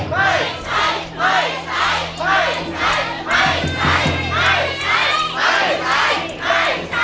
ไม่ใช้